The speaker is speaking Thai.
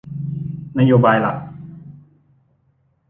นโยบายหลัก